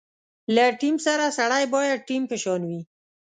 له ټیم سره سړی باید ټیم په شان وي.